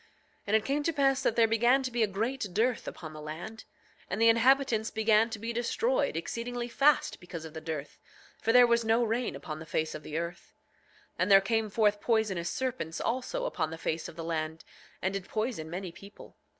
9:30 And it came to pass that there began to be a great dearth upon the land, and the inhabitants began to be destroyed exceedingly fast because of the dearth, for there was no rain upon the face of the earth. 9:31 And there came forth poisonous serpents also upon the face of the land, and did poison many people.